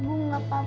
ibu gak apa apa